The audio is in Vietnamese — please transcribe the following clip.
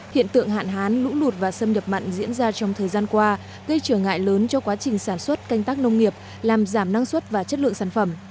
hiện tượng hạn hán lũ lụt và xâm nhập mặn diễn ra trong thời gian qua gây trở ngại lớn cho quá trình sản xuất canh tác nông nghiệp làm giảm năng suất và chất lượng sản phẩm